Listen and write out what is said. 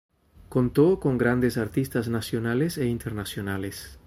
Contó con grandes artistas nacionales e internacionales.